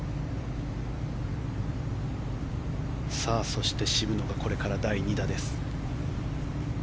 そして、渋野がこれから第２打です。